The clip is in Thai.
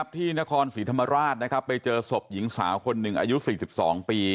ที่นครศรีธรรมราชไปเจอศพหญิงสาวคนหนึ่งอายุ๔๒ปี